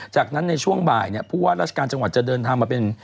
จากนั้นในช่วงบ่ายพวกราชกาลจังหวัดจะเดินทางมาเป็น